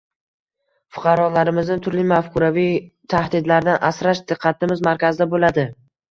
fuqarolarimizni turli mafkuraviy tahdidlardan asrash diqqatimiz markazida bo'ladi.